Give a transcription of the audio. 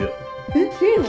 えっいいの？